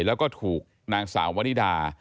แล้วก็ถูกนางสาววนิดา